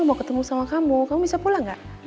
mau ketemu sama kamu kamu bisa pulang gak